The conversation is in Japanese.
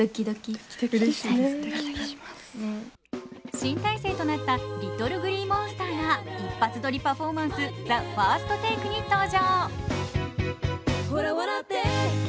新体制となったＬｉｔｔｌｅＧｌｅｅＭｏｎｓｔｅｒが一発撮りパフォーマンス「ＴＨＥＦＩＲＳＴＴＡＫＥ」に登場。